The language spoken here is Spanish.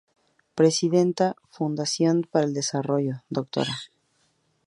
Presidenta Fundación para el Desarrollo: Dra.